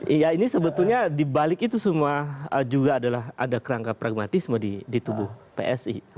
iya ini sebetulnya dibalik itu semua juga adalah ada kerangka pragmatisme di tubuh psi